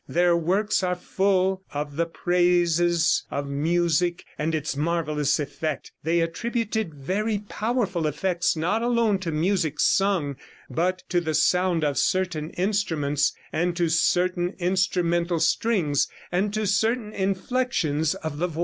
Their works are full of the praises of music and its marvelous effect. They attributed very powerful effects not alone to music sung, but to the sound of certain instruments and to certain instrumental strings and to certain inflections of the voice."